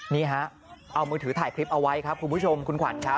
นี่ฮะเอามือถือถ่ายคลิปเอาไว้ครับคุณผู้ชมคุณขวัญครับ